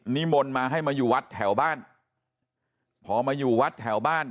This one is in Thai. นิมนต์มาให้มาอยู่วัดแถวบ้านพอมาอยู่วัดแถวบ้าน